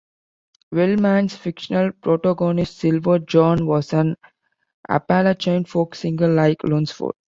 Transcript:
Wellman's fictional protagonist, Silver John, was an Appalachian folk singer, like Lunsford.